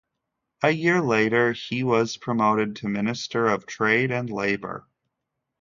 A year later he was promoted to minister of trade and labour.